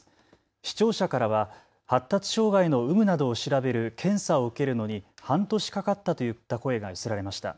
視聴者からは発達障害の有無などを調べる検査を受けるのに半年かかったといった声が寄せられました。